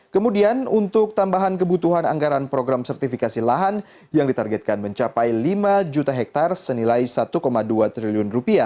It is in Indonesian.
kemudian untuk tambahan kebutuhan anggaran program sertifikasi lahan yang ditargetkan mencapai lima juta hektare senilai rp satu dua triliun